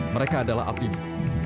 mereka adalah abimu